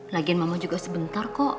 lagian mama juga sebentar kok